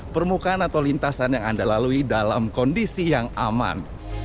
permukaan atau lintasan yang anda lalui dalam kondisi yang aman